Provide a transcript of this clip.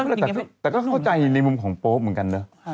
โอเคแต่ก็เข้าใจในมุมของโป๊บเหมือนกันด้วย